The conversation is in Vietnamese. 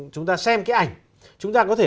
chúng ta xem cái ảnh chúng ta có thể